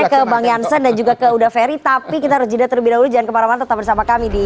biasanya ke bang yansen dan juga ke udaferi tapi kita harus jelaskan terlebih dahulu jangan ke paraman tetap bersama kami di